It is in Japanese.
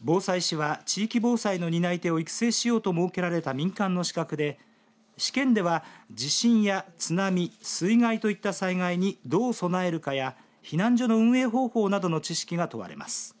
防災士は地域防災の担い手を育成しようと設けられた民間の資格で試験では地震や津波、水害といった災害にどう備えるかや避難所の運営方法などの知識が問われます。